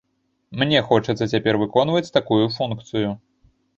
Мне хочацца цяпер выконваць такую функцыю.